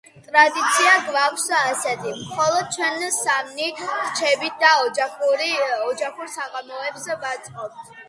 ტრადიცია გვაქვს ასეთი – მხოლოდ ჩვენ სამნი ვრჩებით და ოჯახურ საღამოებს ვაწყობთ.